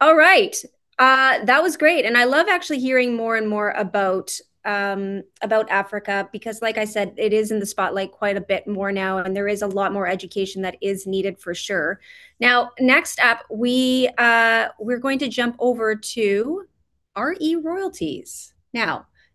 All right. That was great. I love actually hearing more and more about Africa because like I said, it is in the spotlight quite a bit more now, and there is a lot more education that is needed for sure. Next up, we're going to jump over to RE Royalties.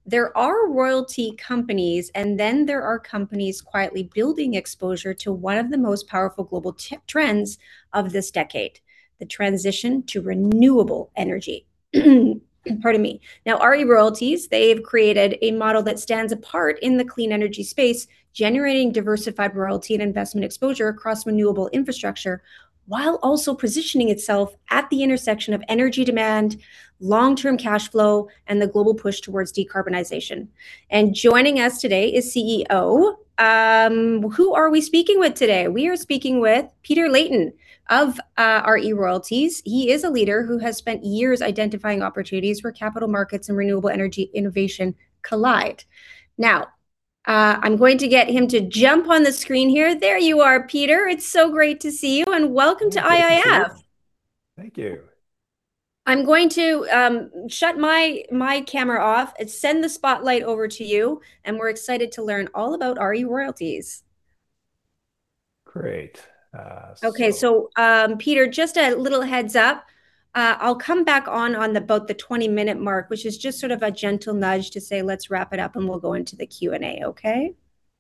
There are royalty companies, and then there are companies quietly building exposure to one of the most powerful global trends of this decade, the transition to renewable energy. Pardon me. RE Royalties, they've created a model that stands apart in the clean energy space, generating diversified royalty and investment exposure across renewable infrastructure, while also positioning itself at the intersection of energy demand, long-term cash flow, and the global push towards decarbonization. Joining us today is CEO. Who are we speaking with today? We are speaking with Peter Leighton of RE Royalties. He is a leader who has spent years identifying opportunities where capital markets and renewable energy innovation collide. I'm going to get him to jump on the screen here. There you are, Peter. It's so great to see you, and welcome to IIF. Thank you. I'm going to shut my camera off and send the spotlight over to you. We're excited to learn all about RE Royalties. Great. Okay, Peter, just a little heads up, I'll come back on about the 20-minute mark, which is just sort of a gentle nudge to say, "Let's wrap it up," and we'll go into the Q&A, okay?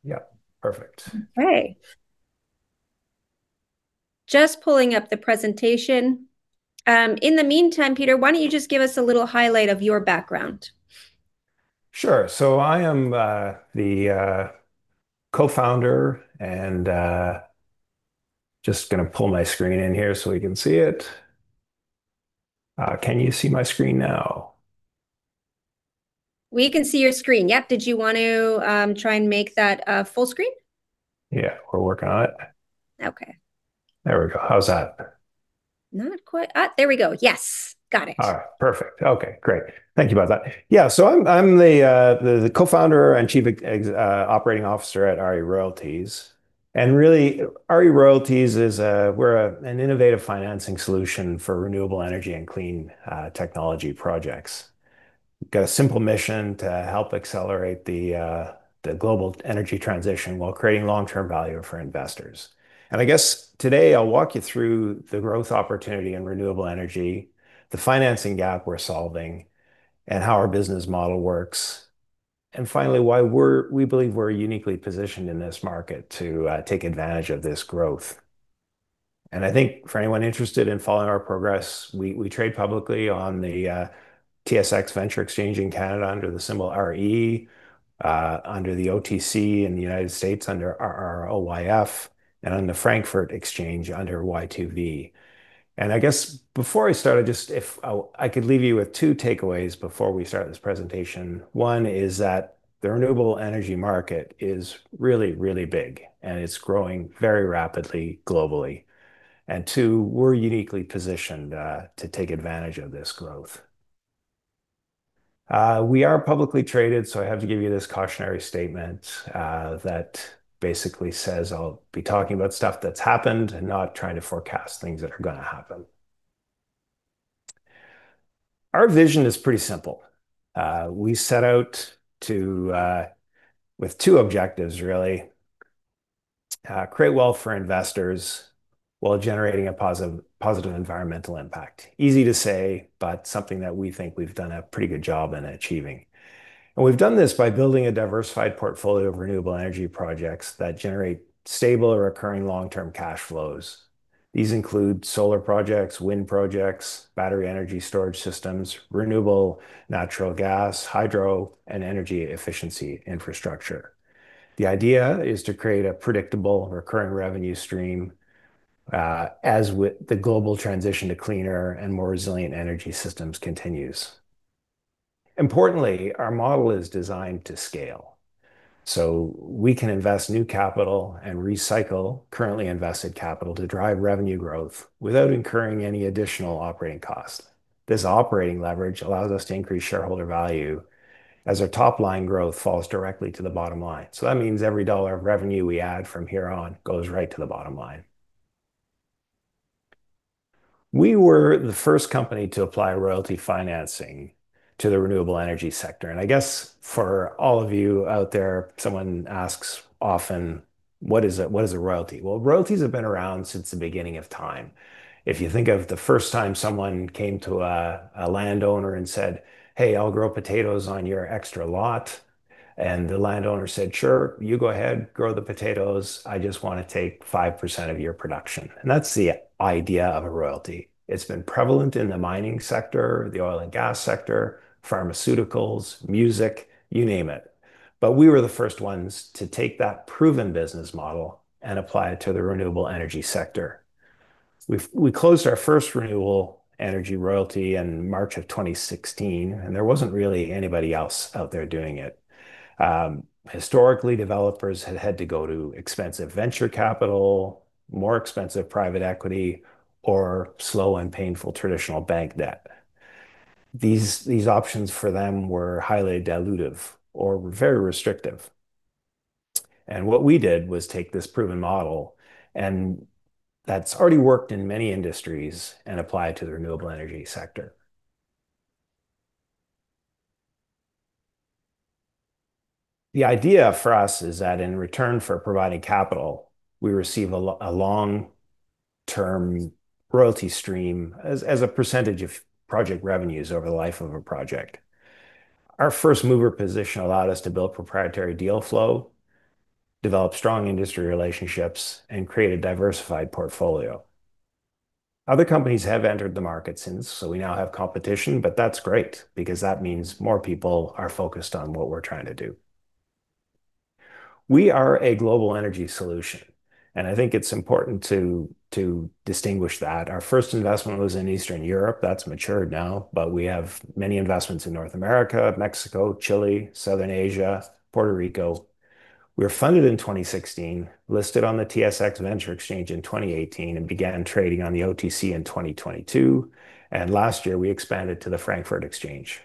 Yeah. Perfect. Okay. Just pulling up the presentation. In the meantime, Peter, why don't you just give us a little highlight of your background? Sure. I am the co-founder and just going to pull my screen in here so we can see it. Can you see my screen now? We can see your screen, yep. Did you want to try and make that full screen? Yeah, we're working on it. Okay. There we go. How's that? Not quite. There we go. Yes. Got it. All right, perfect. Okay, great. Thank you about that. I'm the co-founder and Chief Operating Officer at RE Royalties, and really, RE Royalties is, we're an innovative financing solution for renewable energy and clean technology projects. We have a simple mission to help accelerate the global energy transition while creating long-term value for investors. Today, I'll walk you through the growth opportunity in renewable energy, the financing gap we're solving, and how our business model works, and finally, why we believe we're uniquely positioned in this market to take advantage of this growth. For anyone interested in following our progress, we trade publicly on the TSX Venture Exchange in Canada under the symbol RE, under the OTC in the U.S. under RROYF, and on the Frankfurt Exchange under Y2V. I guess before I start, I could leave you with two takeaways before we start this presentation. One is that the renewable energy market is really, really big and it's growing very rapidly globally. Two, we're uniquely positioned to take advantage of this growth. We are publicly traded, so I have to give you this cautionary statement that basically says I'll be talking about stuff that's happened and not trying to forecast things that are going to happen. Our vision is pretty simple. We set out with two objectives, really. Create wealth for investors while generating a positive environmental impact. Easy to say, but something that we think we've done a pretty good job in achieving. We've done this by building a diversified portfolio of renewable energy projects that generate stable recurring long-term cash flows. These include solar projects, wind projects, battery energy storage systems, renewable natural gas, hydro, and energy efficiency infrastructure. The idea is to create a predictable recurring revenue stream, as with the global transition to cleaner and more resilient energy systems continues. Importantly, our model is designed to scale. We can invest new capital and recycle currently invested capital to drive revenue growth without incurring any additional operating cost. This operating leverage allows us to increase shareholder value as our top-line growth falls directly to the bottom line. That means every dollar of revenue we add from here on goes right to the bottom line. We were the first company to apply royalty financing to the renewable energy sector. I guess for all of you out there, someone asks often, what is a royalty? Well, royalties have been around since the beginning of time. If you think of the first time someone came to a landowner and said, "Hey, I'll grow potatoes on your extra lot." The landowner said, "Sure, you go ahead, grow the potatoes. I just want to take 5% of your production." That's the idea of a royalty. It's been prevalent in the mining sector, the oil and gas sector, pharmaceuticals, music, you name it. We were the first ones to take that proven business model and apply it to the renewable energy sector. We closed our first renewable energy royalty in March of 2016, and there wasn't really anybody else out there doing it. Historically, developers had had to go to expensive venture capital, more expensive private equity, or slow and painful traditional bank debt. These options for them were highly dilutive or very restrictive. What we did was take this proven model, and that's already worked in many industries, and apply it to the renewable energy sector. The idea for us is that in return for providing capital, we receive a long-term royalty stream as a percentage of project revenues over the life of a project. Our first-mover position allowed us to build proprietary deal flow, develop strong industry relationships, and create a diversified portfolio. Other companies have entered the market since, we now have competition, but that's great because that means more people are focused on what we're trying to do. We are a global energy solution, and I think it's important to distinguish that. Our first investment was in Eastern Europe. That's matured now, but we have many investments in North America, Mexico, Chile, Southern Asia, Puerto Rico. We were funded in 2016, listed on the TSX Venture Exchange in 2018, began trading on the OTC in 2022. Last year, we expanded to the Frankfurt Exchange.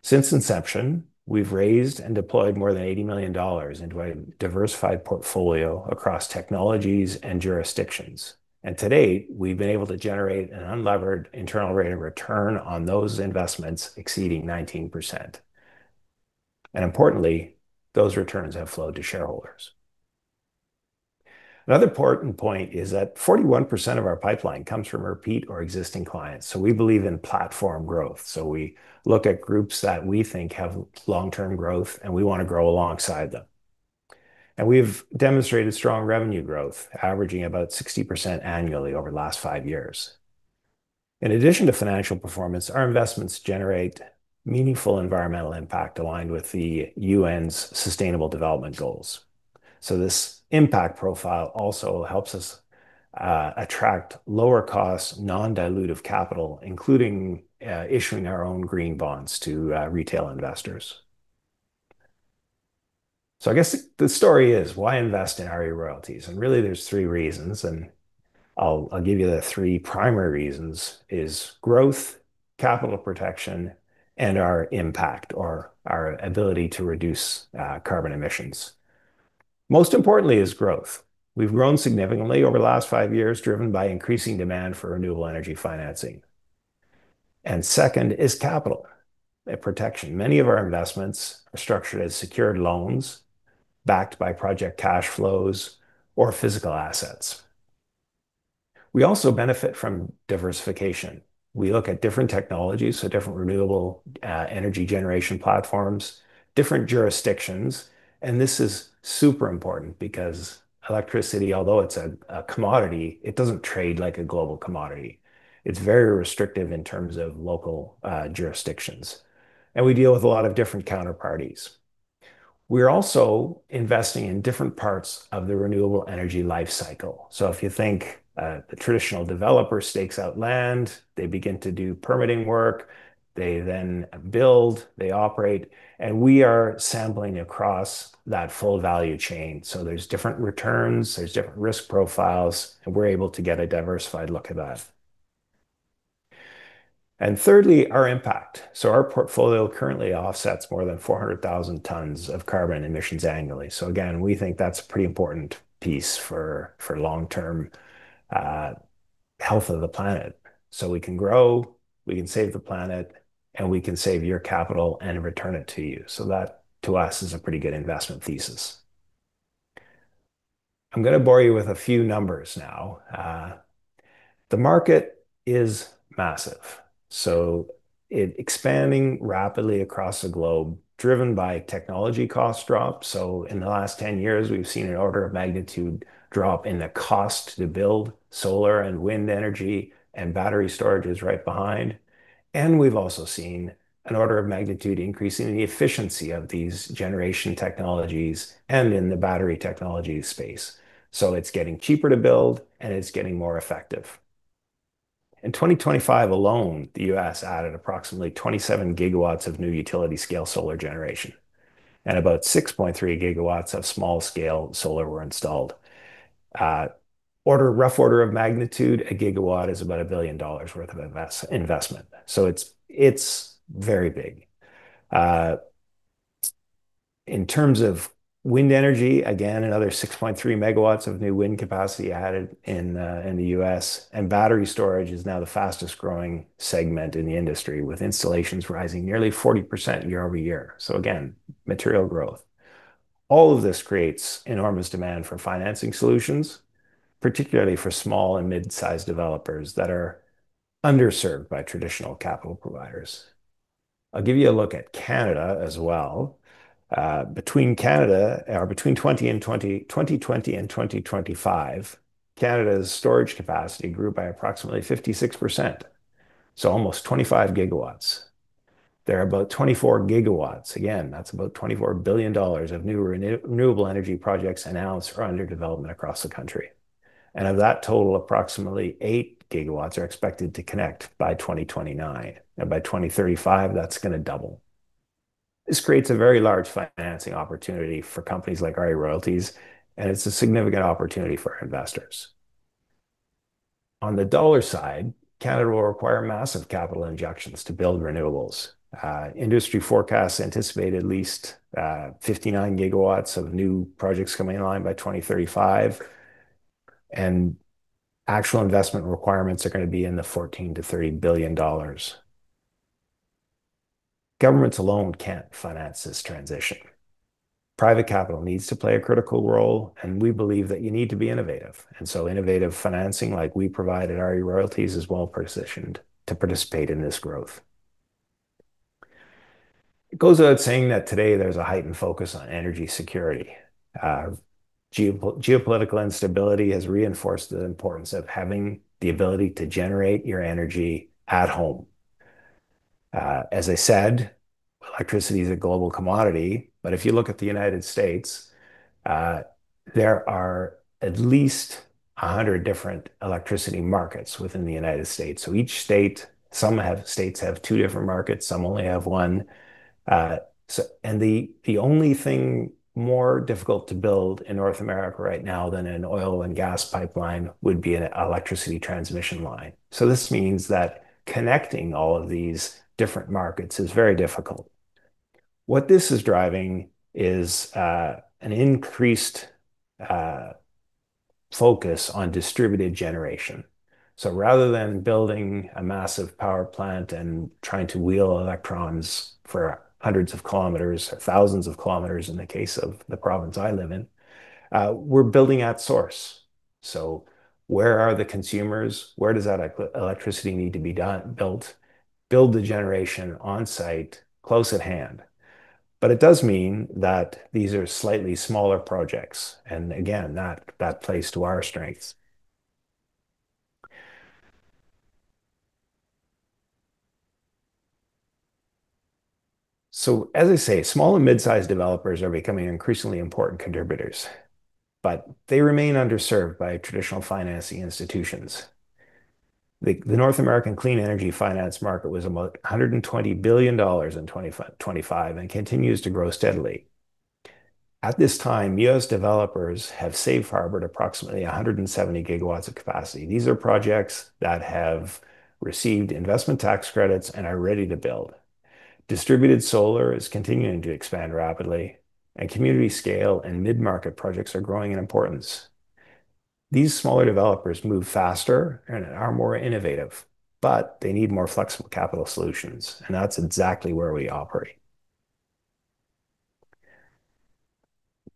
Since inception, we've raised and deployed more than 80 million dollars into a diversified portfolio across technologies and jurisdictions. To date, we've been able to generate an unlevered internal rate of return on those investments exceeding 19%. Importantly, those returns have flowed to shareholders. Another important point is that 41% of our pipeline comes from repeat or existing clients. We believe in platform growth. We look at groups that we think have long-term growth, and we want to grow alongside them. We've demonstrated strong revenue growth, averaging about 60% annually over the last five years. In addition to financial performance, our investments generate meaningful environmental impact aligned with the UN's Sustainable Development Goals. This impact profile also helps us attract lower costs, non-dilutive capital, including issuing our own green bonds to retail investors. I guess the story is why invest in RE Royalties? Really, there's three reasons, and I'll give you the three primary reasons, is growth, capital protection, and our impact or our ability to reduce carbon emissions. Most importantly is growth. We've grown significantly over the last five years, driven by increasing demand for renewable energy financing. Second is capital protection. Many of our investments are structured as secured loans backed by project cash flows or physical assets. We also benefit from diversification. We look at different technologies, so different renewable energy generation platforms, different jurisdictions. This is super important because electricity, although it's a commodity, it doesn't trade like a global commodity. It's very restrictive in terms of local jurisdictions. We deal with a lot of different counterparties. We're also investing in different parts of the renewable energy life cycle. If you think the traditional developer stakes out land, they begin to do permitting work, they then build, they operate, and we are sampling across that full value chain. There's different returns, there's different risk profiles, and we're able to get a diversified look at that. Thirdly, our impact. Our portfolio currently offsets more than 400,000 tons of carbon emissions annually. Again, we think that's a pretty important piece for long-term health of the planet. We can grow, we can save the planet, and we can save your capital and return it to you. That, to us, is a pretty good investment thesis. I'm going to bore you with a few numbers now. The market is massive, so it expanding rapidly across the globe, driven by technology cost drop. In the last 10 years, we've seen an order of magnitude drop in the cost to build solar and wind energy, and battery storage is right behind. We've also seen an order of magnitude increase in the efficiency of these generation technologies and in the battery technology space. It's getting cheaper to build, and it's getting more effective. In 2025 alone, the US added approximately 27 gigawatts of new utility scale solar generation, and about 6.3 GW of small scale solar were installed. Rough order of magnitude, a gigawatt is about 1 billion dollars worth of investment. It's very big. In terms of wind energy, again, another 6.3 MW of new wind capacity added in the U.S., and battery storage is now the fastest-growing segment in the industry, with installations rising nearly 40% year-over-year. Material growth. All of this creates enormous demand for financing solutions, particularly for small and mid-size developers that are underserved by traditional capital providers. I'll give you a look at Canada as well. Between 2020 and 2025, Canada's storage capacity grew by approximately 56%, so almost 25 GW. There are about 24 GW. Again, that's about 24 billion dollars of new renewable energy projects announced or under development across the country. And of that total, approximately 8 GW are expected to connect by 2029. And by 2035, that's going to double. This creates a very large financing opportunity for companies like RE Royalties, and it's a significant opportunity for our investors. On the dollar side, Canada will require massive capital injections to build renewables. Industry forecasts anticipate at least 59 GW of new projects coming online by 2035, and actual investment requirements are going to be in the 14 billion-30 billion dollars. Governments alone can't finance this transition. Private capital needs to play a critical role, and we believe that you need to be innovative. Innovative financing, like we provide at RE Royalties, is well-positioned to participate in this growth. It goes without saying that today there's a heightened focus on energy security. Geopolitical instability has reinforced the importance of having the ability to generate your energy at home. As I said, electricity is a global commodity. If you look at the United States, there are at least 100 different electricity markets within the United States. Each state, some states have two different markets, some only have one. The only thing more difficult to build in North America right now than an oil and gas pipeline would be an electricity transmission line. This means that connecting all of these different markets is very difficult. What this is driving is an increased focus on distributed generation. Rather than building a massive power plant and trying to wheel electrons for hundreds of kilometers, or thousands of kilometers in the case of the province I live in, we're building at source. Where are the consumers? Where does that electricity need to be built? Build the generation on-site, close at hand. It does mean that these are slightly smaller projects, and again, that plays to our strengths. As I say, small and mid-size developers are becoming increasingly important contributors, but they remain underserved by traditional financing institutions. The North American clean energy finance market was about 120 billion dollars in 2025 and continues to grow steadily. At this time, U.S. developers have safe harbored approximately 170 GW of capacity. These are projects that have received investment tax credits and are ready to build. Distributed solar is continuing to expand rapidly, and community scale and mid-market projects are growing in importance. These smaller developers move faster and are more innovative, but they need more flexible capital solutions, and that's exactly where we operate.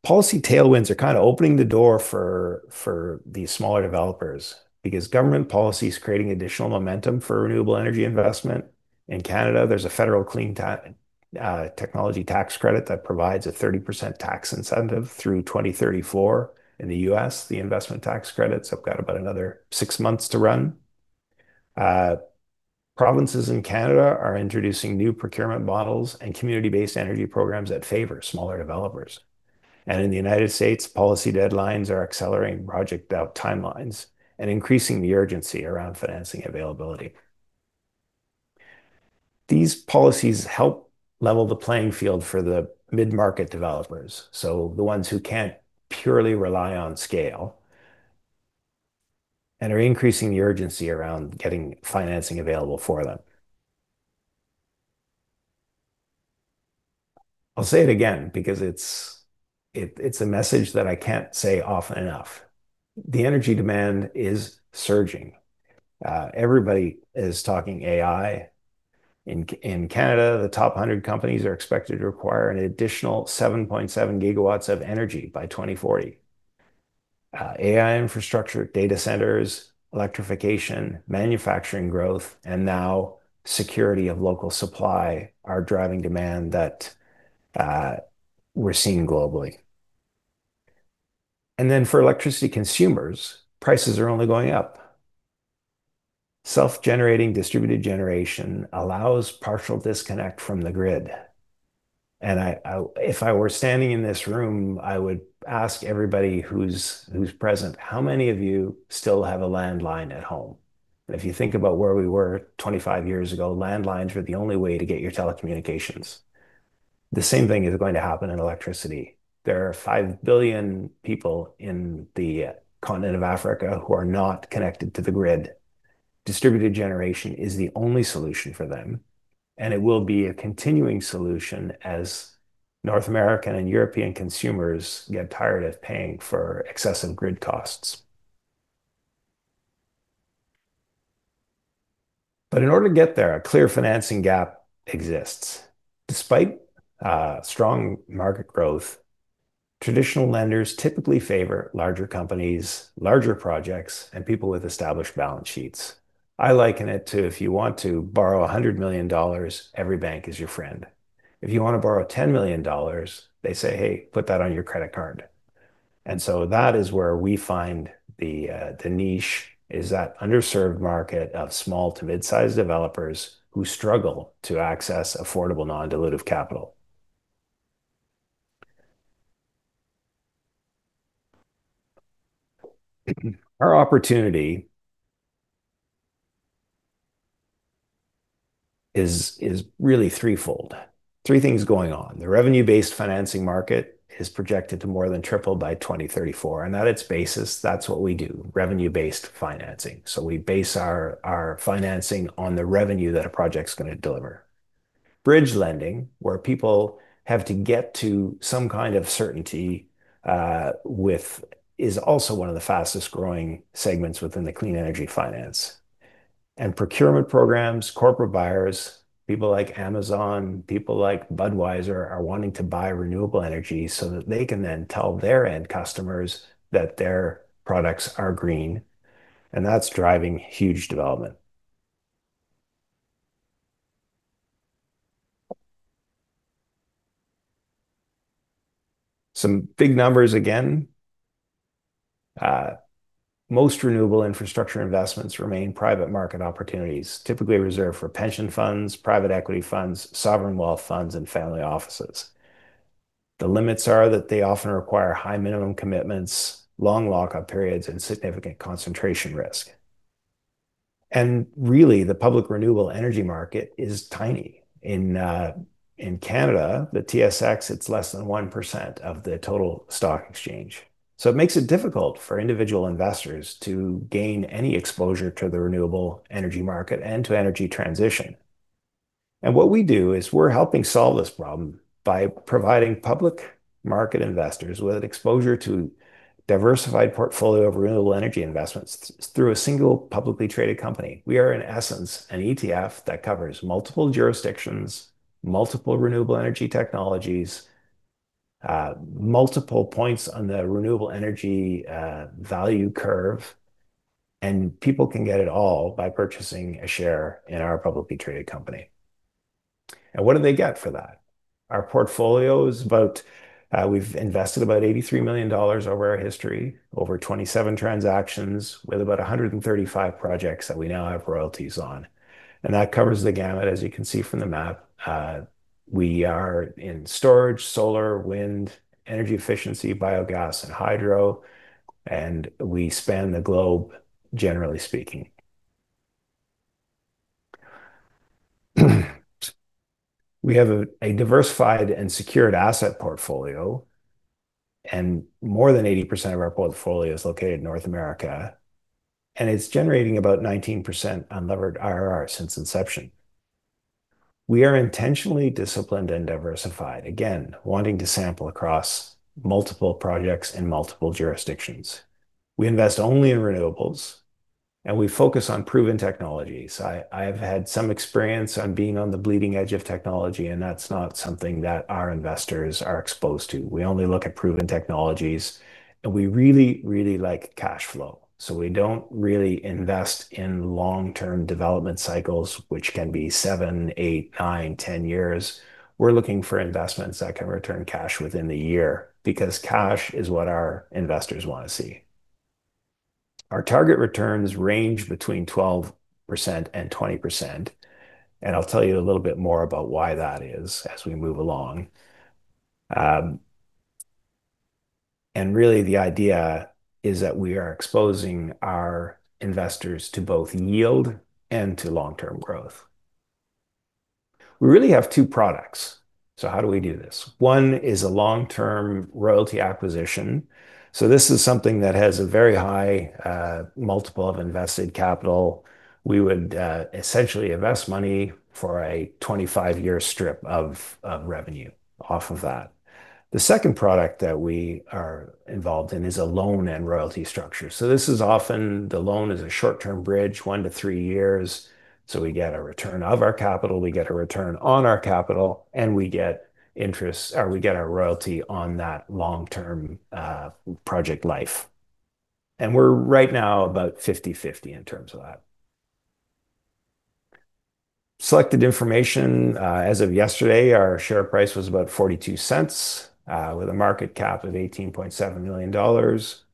Policy tailwinds are opening the door for these smaller developers because government policy is creating additional momentum for renewable energy investment. In Canada, there is a federal Clean Technology Investment Tax Credit that provides a 30% tax incentive through 2034. In the U.S., the investment tax credits have got about another six months to run. Provinces in Canada are introducing new procurement models and community-based energy programs that favor smaller developers. In the United States, policy deadlines are accelerating project timelines and increasing the urgency around financing availability. These policies help level the playing field for the mid-market developers, so the ones who can't purely rely on scale, and are increasing the urgency around getting financing available for them. I'll say it again because it's a message that I can't say often enough. The energy demand is surging. Everybody is talking AI. In Canada, the top 100 companies are expected to require an additional 7.7 GW of energy by 2040. AI infrastructure, data centers, electrification, manufacturing growth, now security of local supply are driving demand that we're seeing globally. For electricity consumers, prices are only going up. Self-generating distributed generation allows partial disconnect from the grid. If I were standing in this room, I would ask everybody who's present, how many of you still have a landline at home? If you think about where we were 25 years ago, landlines were the only way to get your telecommunications. The same thing is going to happen in electricity. There are 5 billion people in the continent of Africa who are not connected to the grid. Distributed generation is the only solution for them, and it will be a continuing solution as North American and European consumers get tired of paying for excessive grid costs. In order to get there, a clear financing gap exists. Despite strong market growth, traditional lenders typically favor larger companies, larger projects, and people with established balance sheets. I liken it to if you want to borrow 100 million dollars, every bank is your friend. If you want to borrow 10 million dollars, they say, "Hey, put that on your credit card." That is where we find the niche is that underserved market of small to mid-size developers who struggle to access affordable non-dilutive capital. Our opportunity is really threefold. Three things going on. The revenue-based financing market is projected to more than triple by 2034, at its basis, that's what we do, revenue-based financing. We base our financing on the revenue that a project's going to deliver. Bridge lending, where people have to get to some kind of certainty, is also one of the fastest-growing segments within the clean energy finance. Procurement programs, corporate buyers, people like Amazon, people like Budweiser, are wanting to buy renewable energy so that they can then tell their end customers that their products are green, and that's driving huge development. Some big numbers, again. Most renewable infrastructure investments remain private market opportunities, typically reserved for pension funds, private equity funds, sovereign wealth funds, and family offices. The limits are that they often require high minimum commitments, long lockup periods, and significant concentration risk. Really, the public renewable energy market is tiny. In Canada, the TSX, it's less than 1% of the total stock exchange. It makes it difficult for individual investors to gain any exposure to the renewable energy market and to energy transition. What we do is we're helping solve this problem by providing public market investors with exposure to diversified portfolio of renewable energy investments through a single publicly traded company. We are, in essence, an ETF that covers multiple jurisdictions, multiple renewable energy technologies, multiple points on the renewable energy value curve, and people can get it all by purchasing a share in our publicly traded company. What do they get for that? Our portfolio is about, we've invested about 83 million dollars over our history, over 27 transactions with about 135 projects that we now have royalties on. That covers the gamut, as you can see from the map. We are in storage, solar, wind, energy efficiency, biogas, and hydro, and we span the globe, generally speaking. We have a diversified and secured asset portfolio, and more than 80% of our portfolio is located in North America, and it's generating about 19% unlevered IRR since inception. We are intentionally disciplined and diversified, again, wanting to sample across multiple projects in multiple jurisdictions. We invest only in renewables, and we focus on proven technologies. I have had some experience on being on the bleeding edge of technology, and that's not something that our investors are exposed to. We only look at proven technologies, and we really, really like cash flow. We don't really invest in long-term development cycles, which can be 7, 8, 9, 10 years. We're looking for investments that can return cash within the year because cash is what our investors want to see. Our target returns range between 12% and 20%, and I'll tell you a little bit more about why that is as we move along. Really, the idea is that we are exposing our investors to both yield and to long-term growth. We really have two products. How do we do this? One is a long-term royalty acquisition. This is something that has a very high multiple of invested capital. We would essentially invest money for a 25-year strip of revenue off of that. The second product that we are involved in is a loan and royalty structure. This is often the loan is a short-term bridge, one to three years, so we get a return of our capital, we get a return on our capital, and we get interests, or we get a royalty on that long-term project life. We're right now about 50/50 in terms of that. Selected information. As of yesterday, our share price was about 0.42, with a market cap of 18.7 million dollars.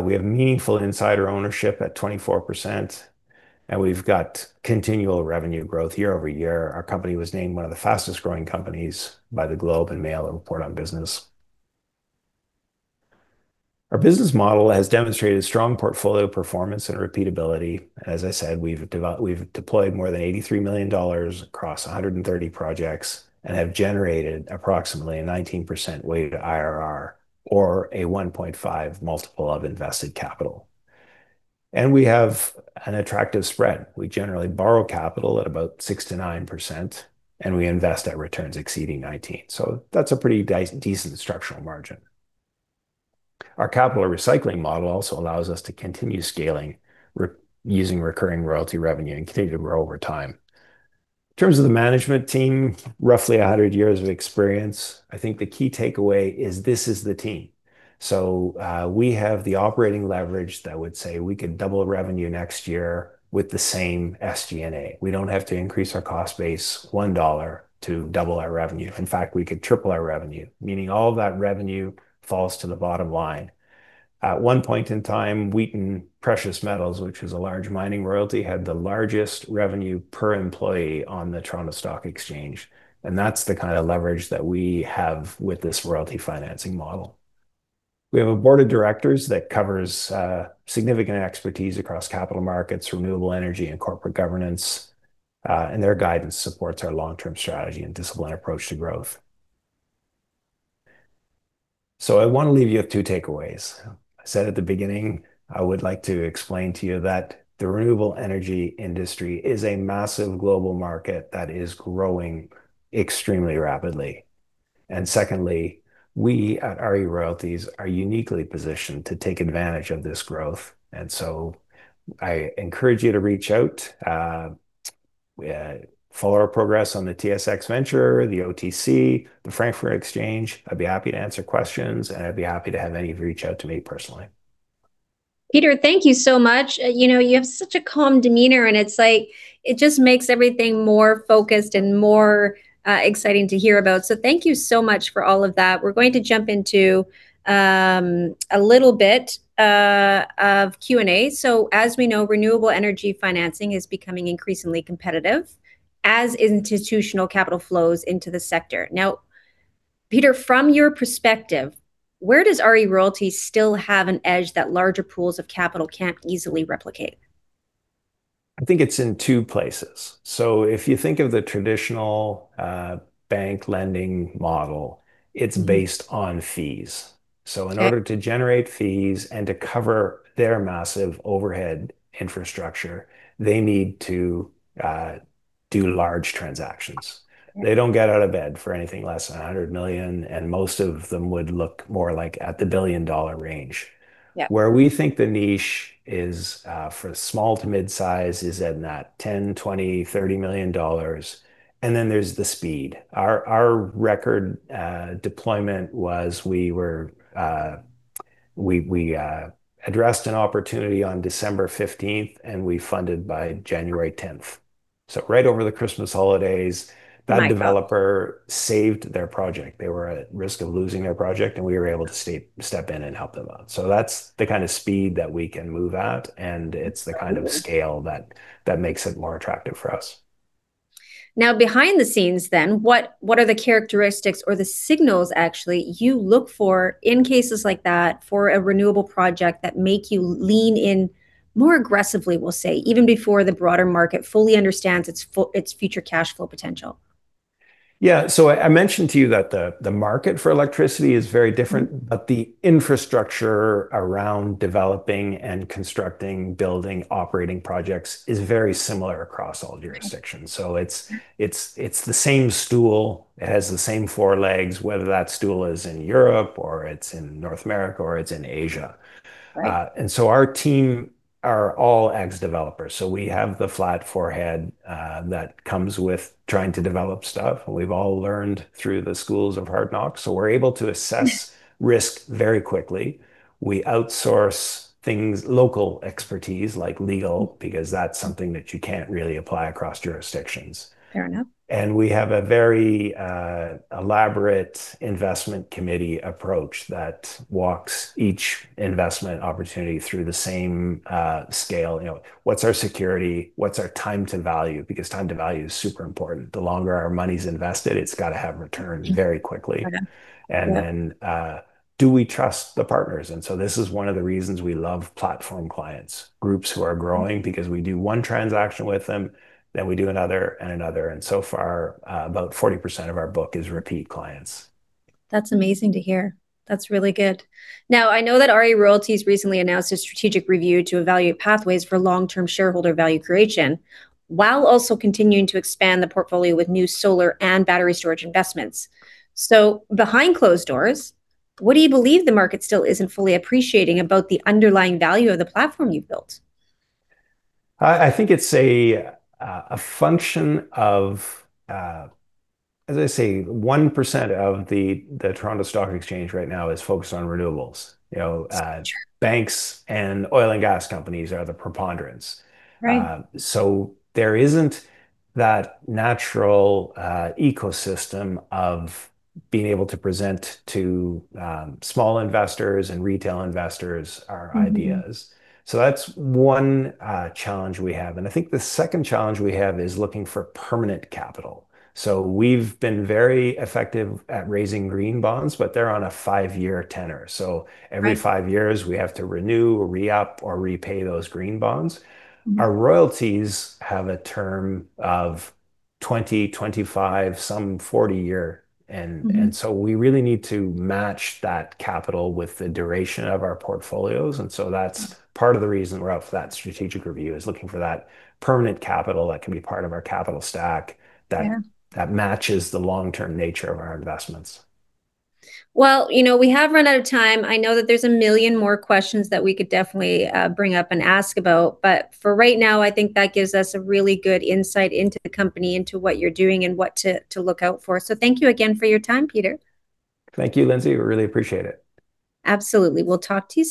We have meaningful insider ownership at 24%, and we've got continual revenue growth year-over-year. Our company was named one of the fastest-growing companies by The Globe and Mail Report on Business. Our business model has demonstrated strong portfolio performance and repeatability. As I said, we've deployed more than 83 million dollars across 130 projects and have generated approximately a 19% weighted IRR or a 1.5 multiple of invested capital. We have an attractive spread. We generally borrow capital at about 69%, and we invest at returns exceeding 19%, so that's a pretty decent structural margin. Our capital recycling model also allows us to continue scaling using recurring royalty revenue and continue to grow over time. In terms of the management team, roughly 100 years of experience. I think the key takeaway is this is the team. We have the operating leverage that would say we could double revenue next year with the same SG&A. We don't have to increase our cost base 1 dollar to double our revenue. In fact, we could triple our revenue, meaning all that revenue falls to the bottom line. At one point in time, Wheaton Precious Metals Corp., which was a large mining royalty, had the largest revenue per employee on the Toronto Stock Exchange, that's the kind of leverage that we have with this royalty financing model. We have a board of directors that covers significant expertise across capital markets, renewable energy, and corporate governance, their guidance supports our long-term strategy and disciplined approach to growth. I want to leave you with two takeaways. I said at the beginning, I would like to explain to you that the renewable energy industry is a massive global market that is growing extremely rapidly. Secondly, we at RE Royalties are uniquely positioned to take advantage of this growth. I encourage you to reach out. Follow our progress on the TSX Venture, the OTC, the Frankfurt Exchange. I'd be happy to answer questions, and I'd be happy to have any of you reach out to me personally. Peter, thank you so much. You have such a calm demeanor, and it just makes everything more focused and more exciting to hear about. Thank you so much for all of that. We're going to jump into a little bit of Q&A. As we know, renewable energy financing is becoming increasingly competitive as institutional capital flows into the sector. Now, Peter, from your perspective, where does RE Royalties still have an edge that larger pools of capital can't easily replicate? I think it's in two places. If you think of the traditional bank lending model, it's based on fees. Sure. In order to generate fees and to cover their massive overhead infrastructure, they need to do large transactions. They don't get out of bed for anything less than 100 million, and most of them would look more like at the billion-dollar range. Yeah. Where we think the niche is, for small to mid-size, is in that 10 million, 20 million, 30 million dollars. There's the speed. Our record deployment was we addressed an opportunity on December 15th, and we funded by January 10th. Right over the Christmas holidays. Nice. That developer saved their project. They were at risk of losing their project, and we were able to step in and help them out. That's the kind of speed that we can move at. And is the kind of scale that makes it more attractive for us. Behind the scenes, what are the characteristics or the signals, actually, you look for in cases like that for a renewable project that make you lean in more aggressively, we'll say, even before the broader market fully understands its future cash flow potential? Yeah. I mentioned to you that the market for electricity is very different, but the infrastructure around developing and constructing, building, operating projects is very similar across all jurisdictions. It's the same stool, it has the same four legs, whether that stool is in Europe or it's in North America or it's in Asia. Right. Our team are all ex-developers, so we have the flat forehead that comes with trying to develop stuff, and we've all learned through the schools of hard knocks. We're able to assess risk very quickly. We outsource things, local expertise like legal, because that's something that you can't really apply across jurisdictions. Fair enough. We have a very elaborate investment committee approach that walks each investment opportunity through the same scale. What's our security? What's our time to value? Time to value is super important. The longer our money's invested, it's got to have returns very quickly. Yeah. Do we trust the partners? This is one of the reasons we love platform clients, groups who are growing, because we do one transaction with them, then we do another and another. So far, about 40% of our book is repeat clients. That's amazing to hear. That's really good. I know that RE Royalties recently announced a strategic review to evaluate pathways for long-term shareholder value creation, while also continuing to expand the portfolio with new solar and battery storage investments. Behind closed doors, what do you believe the market still isn't fully appreciating about the underlying value of the platform you've built? I think it's a function of, as I say, 1% of the Toronto Stock Exchange right now is focused on renewables. Sure. Banks and oil and gas companies are the preponderance. Right. There isn't that natural ecosystem of being able to present to small investors and retail investors our ideas. That's one challenge we have, and I think the second challenge we have is looking for permanent capital. We've been very effective at raising green bonds, but they're on a five-year tenor. Right. Every five years, we have to renew, re-up, or repay those green bonds. Our royalties have a term of 20, 25, some 40 year. We really need to match that capital with the duration of our portfolios, and so that's part of the reason we're out for that strategic review is looking for that permanent capital that can be part of our capital stack. Yeah. That matches the long-term nature of our investments. Well, we have run out of time. I know that there's 1 million more questions that we could definitely bring up and ask about, but for right now, I think that gives us a really good insight into the company, into what you're doing, and what to look out for. Thank you again for your time, Peter. Thank you, Lindsay. We really appreciate it. Absolutely. We'll talk to you soon.